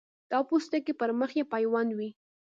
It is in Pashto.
دا پوستکی پر مخ یې پیوند وي.